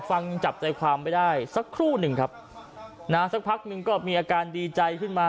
ฟังจับใจความไม่ได้สักครู่หนึ่งครับนะสักพักหนึ่งก็มีอาการดีใจขึ้นมา